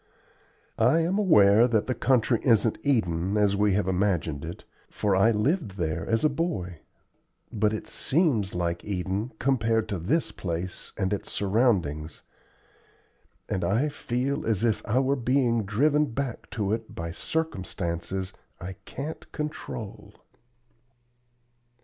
I am aware that the country isn't Eden, as we have imagined it for I lived there as a boy but it seems like Eden compared to this place and its surroundings; and I feel as if I were being driven back to it by circumstances I can't control."